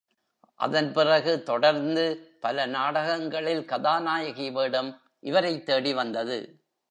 அதன் பிறகு தொடர்ந்து பல நாடகங்களில் கதாநாயகி வேடம் இவரைத் தேடி வந்தது.